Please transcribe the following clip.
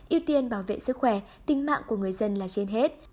yêu tiên bảo vệ sức khỏe tính mạng của người dân là trên hết